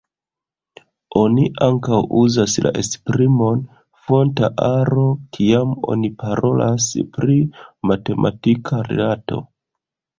Oni ankaŭ uzas la esprimon «fonta aro» kiam oni parolas pri matematika rilato.